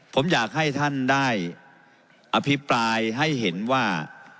ผมอยากให้ท่านได้อภิปรายให้เห็นว่า